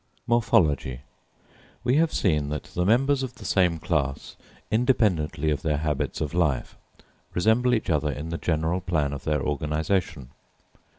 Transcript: Morphology. We have seen that the members of the same class, independently of their habits of life, resemble each other in the general plan of their organisation.